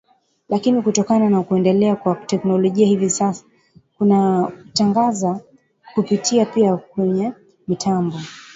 lakini kutokana na kuendelea kwa teknolojia hivi sasa tunatangaza kupitia pia kwenye mitambo